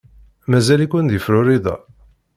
Mazal-iken deg Florida?